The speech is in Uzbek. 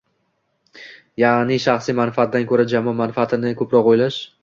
ya’ni shaxsiy manfaatdan ko‘ra jamoa manfaatini ko‘proq o‘ylash